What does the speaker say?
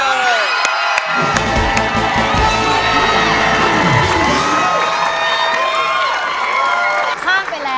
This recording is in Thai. ข้ามไปแล้ว